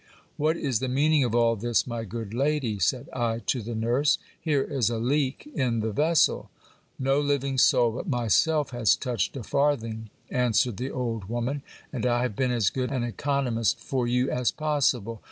What is the meaning of all this, my good lady ? said I to the nurse. Here is a leak in the vessel. No living soul but myself has touched a farthing, answered the old woman, and I have been as good an economist for you as possible.